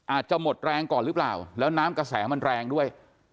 อาจจะหมดแรงก่อนหรือเปล่าแล้วน้ำกระแสมันแรงด้วย